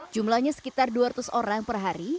jumlahnya sekitar dua ratus orang per hari